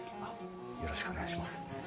よろしくお願いします。